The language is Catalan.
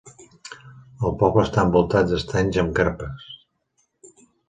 El poble està envoltat d'estanys amb carpes.